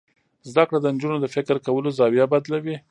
زده کړه د نجونو د فکر کولو زاویه بدلوي.